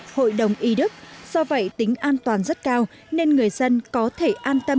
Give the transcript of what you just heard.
hội đồng y đức do vậy tính an toàn rất cao nên người dân có thể an tâm